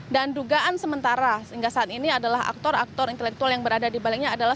dugaan sementara sehingga saat ini adalah aktor aktor intelektual yang berada di baliknya adalah